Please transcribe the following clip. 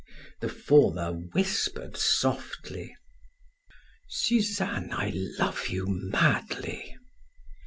The former whispered softly: "Suzanne, I love you madly."